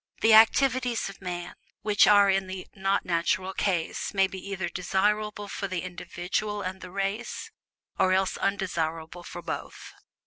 The activities of man which are in the "not natural" class may be either desirable for the individual and the race, or else undesirable for both.